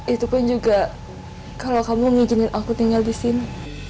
itu pun juga kalau kamu ngijinin aku tinggal disini